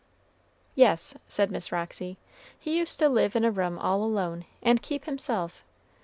"Yes," said Miss Roxy, "he used to live in a room all alone, and keep himself.